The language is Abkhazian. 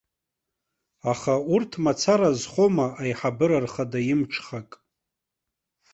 Аха урҭ мацара азхома аиҳабыра рхада имҽхак?